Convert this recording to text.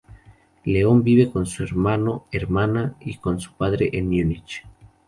Leon vive con su hermano, hermana y con su padre en Múnich.